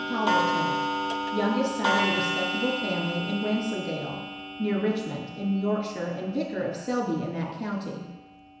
iCalyert Tennant, youngest son of a respectable fa mily in Wensleydale, near Richmond, in Yorkshhre, and vicar of Selby in that county.